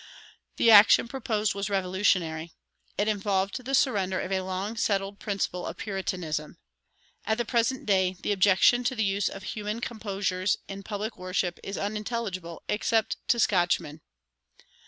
The action proposed was revolutionary. It involved the surrender of a long settled principle of Puritanism. At the present day the objection to the use of "human composures" in public worship is unintelligible, except to Scotchmen.